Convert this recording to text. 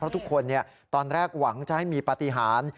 เพราะทุกคนตอนแรกหวังจะให้มีปฏิหาร